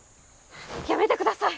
「やめてください！」